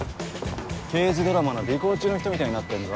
刑事ドラマの尾行中の人みたいになってんぞ。